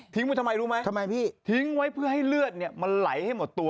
ทำไมรู้ไหมทำไมพี่ทิ้งไว้เพื่อให้เลือดเนี่ยมันไหลให้หมดตัว